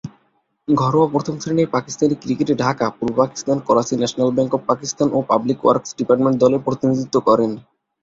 ঘরোয়া প্রথম-শ্রেণীর পাকিস্তানি ক্রিকেটে ঢাকা, পূর্ব Pakistan, Karachi, National Bank of Pakistan ও পাবলিক ওয়ার্কস ডিপার্টমেন্ট দলের প্রতিনিধিত্ব করেন।